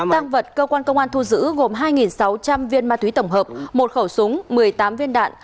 tăng vật cơ quan công an thu giữ gồm hai sáu trăm linh viên ma túy tổng hợp một khẩu súng một mươi tám viên đạn